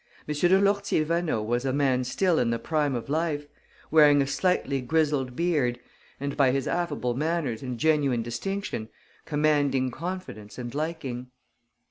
M. de Lourtier Vaneau was a man still in the prime of life, wearing a slightly grizzled beard and, by his affable manners and genuine distinction, commanding confidence and liking.